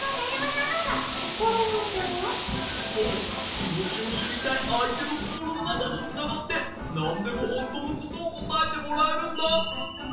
きもちをしりたいあいてのココロのなかとつながってなんでもほんとうのことをこたえてもらえるんだ。